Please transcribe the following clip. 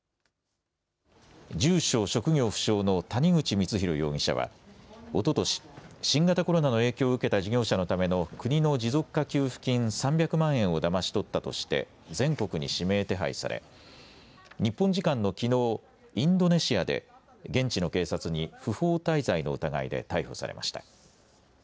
住所、職業不詳の谷口光弘容疑者は、おととし、新型コロナの影響を受けた事業者のための国の持続化給付金３００万円をだまし取ったとして、全国に指名手配され、日本時間のきのう、インドネシアで、現地の警察に不法滞在の疑いで逮捕されました。